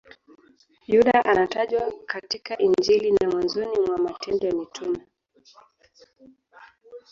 Yuda anatajwa katika Injili na mwanzoni mwa Matendo ya Mitume.